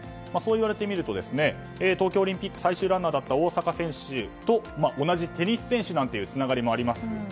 そういわれてみると東京オリンピック最終ランナーだった大坂選手と同じテニス選手なんていうつながりもあります。